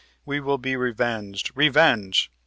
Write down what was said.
We will be revenged; revenge!